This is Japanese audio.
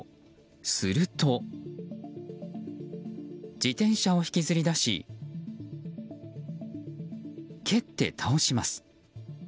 すると、自転車を引きずり出し蹴って、倒します。